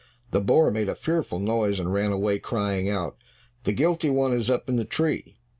The boar made a fearful noise and ran away, crying out, "The guilty one is up in the tree."